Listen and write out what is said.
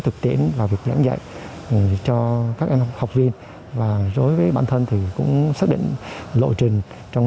thực tiễn là việc giảng dạy cho các em học viên và đối với bản thân thì cũng xác định lộ trình trong